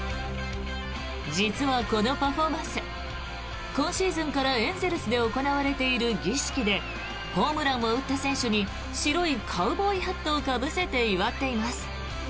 実はこのパフォーマンス今シーズンからエンゼルスで行われている儀式でホームランを打った選手に白いカウボーイハットをかぶせて祝っています。